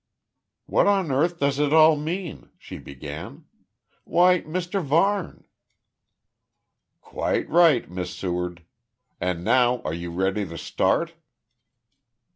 "What on earth does it all mean?" she began. "Why Mr Varne!" "Quite right, Miss Seward. And now, are you ready to start?"